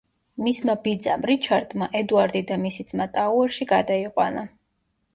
მისმა ბიძამ რიჩარდმა ედუარდი და მისი ძმა ტაუერში გადაიყვანა.